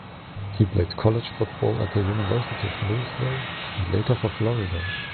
He played college football at the University of Louisville and later for Florida.